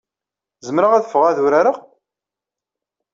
Zemreɣ ad ffɣeɣ ad urareɣ?